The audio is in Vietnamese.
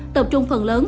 tập trung phần lớn